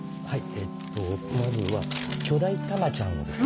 えっとまずは巨大たまちゃんをですね。